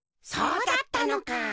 そうだったのか！